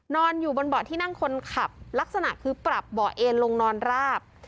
นอนอยู่บนเบาะที่นั่งคนขับลักษณะคือปรับเบาะเอ็นลงนอนราบ